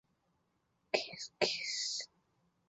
瘤枝杜鹃为杜鹃花科杜鹃属下的一个种。